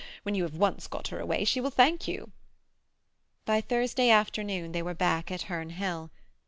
When you have once got her away she will thank you." By Thursday afternoon they were back at Herne Hill.